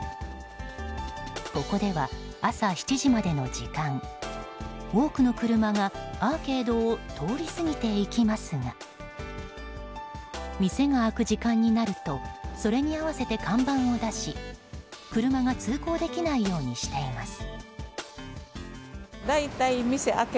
ここでは朝７時までの時間多くの車がアーケードを通り過ぎていきますが店が開く時間になるとそれに合わせて看板を出し車が通行できないようにしています。